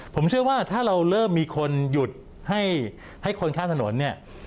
ผมเชื่อว่าถ้าเราเริ่มมีคนหยุดให้คนข้ามถนนเนี่ย